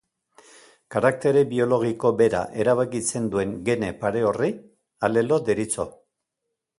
Karaktere biologiko bera erabakitzen duen gene pare horri alelo deritzo.